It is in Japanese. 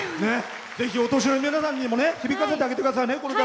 ぜひ、お年寄りの皆さんにも響かせてくださいね。